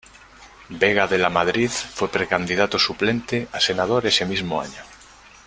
Vega de Lamadrid fue precandidato suplente a senador ese mismo año.